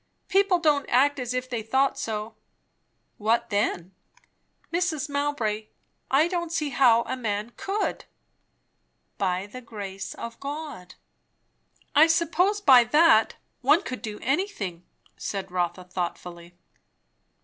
"People don't act as if they thought so." "What then?" "Mrs. Mowbray, I don't see how a man could." "By the grace of God." "I suppose, by that one could do anything," said Rotha thoughtfully.